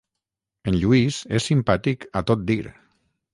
En Lluís és simpàtic a tot dir.